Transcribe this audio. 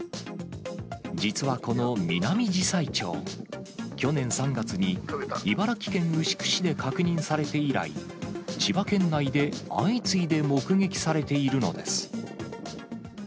実はこのミナミジサイチョウ、去年３月に、茨城県牛久市で確認されて以来、千葉県内で相次いで目撃されているのです。